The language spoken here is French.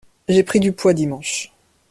J'ai pris du poids dimanche.